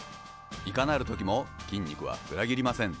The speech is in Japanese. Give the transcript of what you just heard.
いかなる時も筋肉は裏切りません。